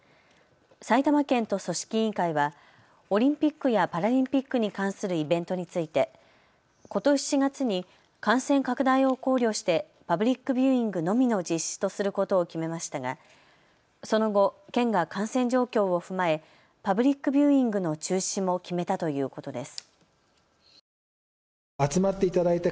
埼玉県と組織委員会はオリンピックやパラリンピックに関するイベントについてことし４月に感染拡大を考慮してパブリックビューイングのみの実施とすることを決めましたがその後、県が感染状況を踏まえパブリックビューイングの中止も決めたということです。